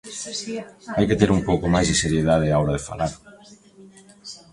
Hai que ter un pouco máis de seriedade á hora de falar.